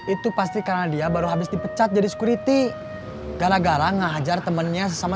itu pasti karena dia baru habis dipecat jadi security gara gara menghajar temannya sama